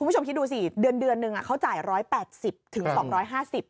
คุณผู้ชมคิดดูสิเดือนนึงอ่ะเขาจ่ายร้อยแปดสิบถึงสองร้อยห้าสิบ